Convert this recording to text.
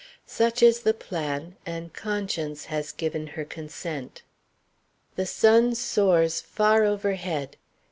Such is the plan, and Conscience has given her consent. The sun soars far overhead.